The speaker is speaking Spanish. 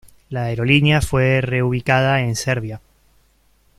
La aerolínea fue reubicada en Serbia.